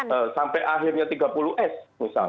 presiden masih punya waktu banyak untuk bisa menyelamatkan